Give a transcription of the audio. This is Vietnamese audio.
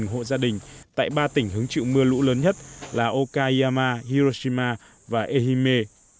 họ gia đình tại ba tỉnh hứng chịu mưa lũ lớn nhất là okayama hiroshima và ehime